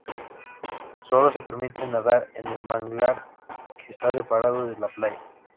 Solo se permite nadar en el manglar que está separado de la playa.